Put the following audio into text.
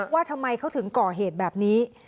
ว่าทำไมเขาถึงก่อเหตุแบบนี้